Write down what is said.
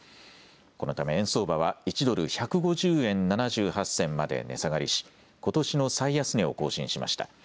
このため円相場は１ドル１５０円７８銭まで値下がりしことしの最安値を更新しました。